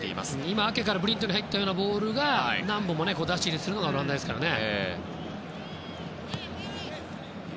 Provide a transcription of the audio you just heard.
今、アケからブリントに入ったようなボールを何本も出し入れするのがオランダですからね。